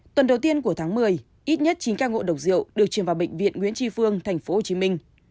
tuần đầu tiên của tháng một mươi ít nhất chín ca ngộ độc rượu được truyền vào bệnh viện nguyễn tri phương thành phố hồ chí minh